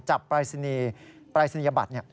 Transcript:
จับปรายศิลยาบัตร